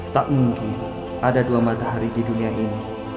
tak mungkin ada dua matahari di dunia ini